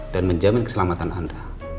dan menjamin keselamatan anda